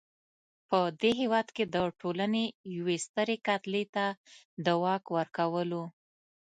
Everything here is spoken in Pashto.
په دې هېواد کې د ټولنې یوې سترې کتلې ته د واک ورکولو.